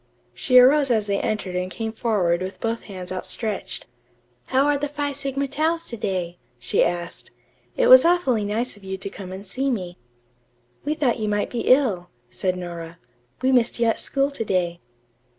She arose as they entered and came forward with both hands outstretched. "How are the Phi Sigma Taus to day?" she asked. "It was awfully nice of you to come and see me." "We thought you might be ill," said Nora. "We missed you at school to day."